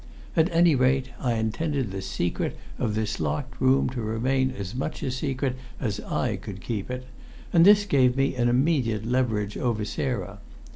At any rate I intended the secret of this locked room to remain as much a secret as I could keep it, and this gave me an immediate leverage over Sarah.